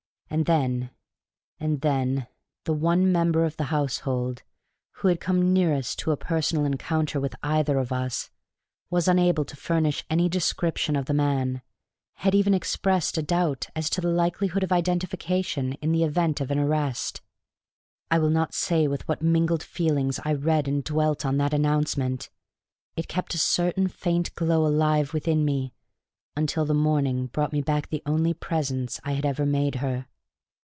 And then and then the one member of the household who had come nearest to a personal encounter with either of us was unable to furnish any description of the man had even expressed a doubt as to the likelihood of identification in the event of an arrest! I will not say with what mingled feelings I read and dwelt on that announcement. It kept a certain faint glow alive within me until the morning brought me back the only presents I had ever made her.